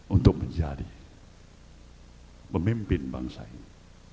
untuk menjadi pemimpin bangsa ini